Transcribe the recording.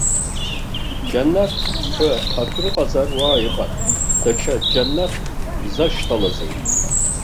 Џьанаҭ ҳәа акрыҟазар уа иҟан, даҽа џьанаҭк изашьҭалазеи?!